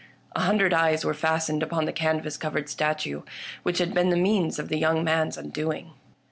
A hundred eyes were fastened upon the canvas covered statue, which had been the means of the young man's undoing.